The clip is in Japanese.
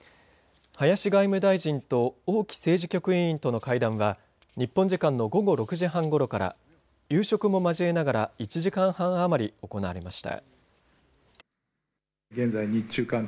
林外務大臣と王毅政治局委員との会談は日本時間の午後６時半頃から夕食も交えながら１時間半余り行われました。